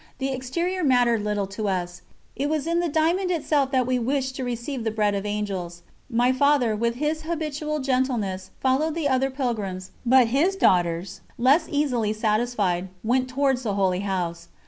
The exterior mattered little to us, it was in the diamond itself that we wished to receive the Bread of Angels. My Father, with his habitual gentleness, followed the other pilgrims, but his daughters, less easily satisfied, went towards the Holy House.